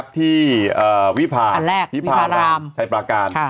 ที่วิพาลอันแรกวิพารามไทยปราการ